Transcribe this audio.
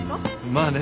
まあね。